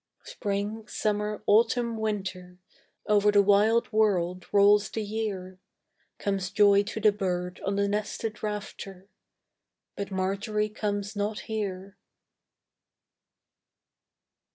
Spring, summer, autumn, winter, Over the wild world rolls the year. Comes joy to the bird on the nested rafter; But Marjory comes not here.